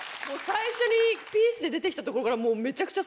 最初にピースで出て来たところから。